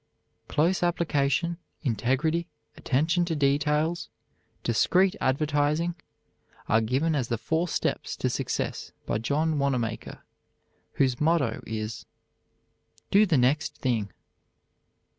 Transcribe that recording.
"Close application, integrity, attention to details, discreet advertising," are given as the four steps to success by John Wanamaker, whose motto is, "Do the next thing."